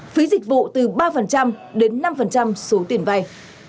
phí dịch vụ từ ba đến năm số tiền vay